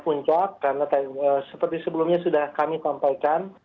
puncak karena seperti sebelumnya sudah kami sampaikan